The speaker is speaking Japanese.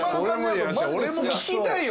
俺も聞きたいよ